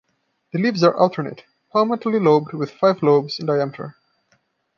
The leaves are alternate, palmately lobed with five lobes, in diameter.